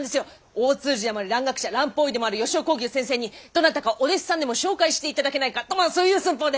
大通詞でもあり蘭学者蘭方医でもある吉雄耕牛先生にどなたかお弟子さんでも紹介して頂けないかとまぁそういう寸法で！